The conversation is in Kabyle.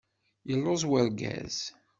Yelluẓ urgaz.